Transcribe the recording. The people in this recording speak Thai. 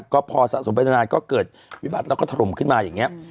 ก็พอสะสมไปนานก็เกิดวิบัติแล้วก็ถล่มขึ้นมาอย่างนี้